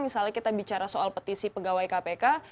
misalnya kita bicara soal petisi pegawai kpk